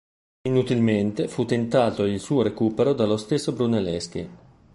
Inutilmente fu tentato il suo recupero dallo stesso Brunelleschi.